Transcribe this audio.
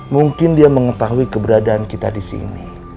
mungkin dia mengetahui keberadaan kita disini